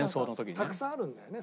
たくさんあるんだよね